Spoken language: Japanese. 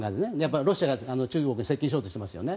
ロシアが中国に接近しようとしていますよね。